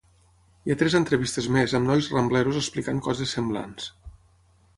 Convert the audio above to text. Hi ha tres entrevistes més amb nois Rambleros explicant coses semblants.